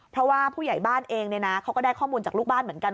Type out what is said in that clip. เพราะว่าผู้ใหญ่บ้านเองเขาก็ได้ข้อมูลจากลูกบ้านเหมือนกัน